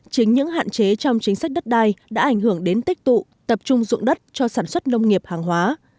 chính những hạn chế trong chính sách đất đai đã ảnh hưởng đến tích tụ tập trung dụng đất cho sản xuất nông nghiệp hàng hóa